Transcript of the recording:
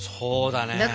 そうだね。